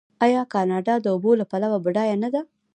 آیا کاناډا د اوبو له پلوه بډایه نه ده؟